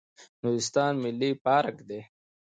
نورستان ملي پارک دی